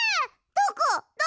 どこ！？